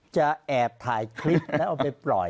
จะแอบถ่ายคลิปแล้วเอาไปปล่อย